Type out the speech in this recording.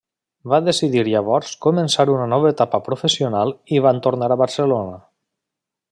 Va decidir llavors començar una nova etapa professional i van tornar a Barcelona.